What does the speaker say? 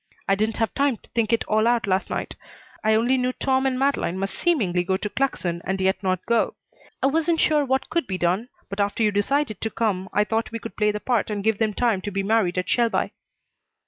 I didn't have time to think it all out last night. I only knew Tom and Madeleine must seemingly go to Claxon and yet not go. I wasn't sure what could be done, but after you decided to come I thought we could play the part and give them time to be married at Shelby."